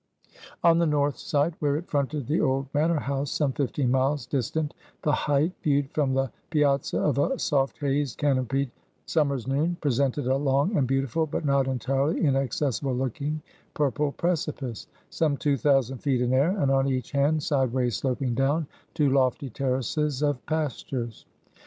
On the north side, where it fronted the old Manor house, some fifteen miles distant, the height, viewed from the piazza of a soft haze canopied summer's noon, presented a long and beautiful, but not entirely inaccessible looking purple precipice, some two thousand feet in air, and on each hand sideways sloping down to lofty terraces of pastures.